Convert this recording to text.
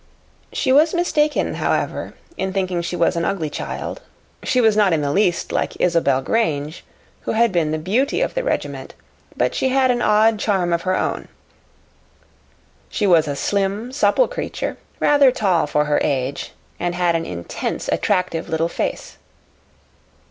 She was mistaken, however, in thinking she was an ugly child. She was not in the least like Isobel Grange, who had been the beauty of the regiment, but she had an odd charm of her own. She was a slim, supple creature, rather tall for her age, and had an intense, attractive little face.